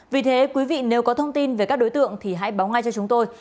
vì thế quý vị nếu có thông tin về các đối tượng thì hãy báo ngay cho chúng tôi